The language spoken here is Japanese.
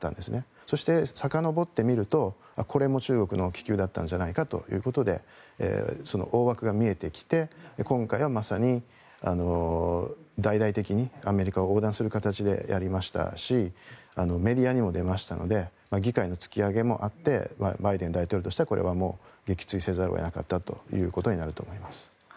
そして、さかのぼってみるとこれも中国の気球だったんじゃないかということで大枠が見えてきて今回はまさに大々的にアメリカを横断する形でやりましたしメディアにも出ましたので議会の突き上げもあってバイデン大統領としてはこれはもう撃墜せざるを得なかったということになると思います。